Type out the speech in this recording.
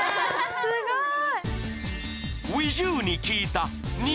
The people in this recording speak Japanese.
すごい！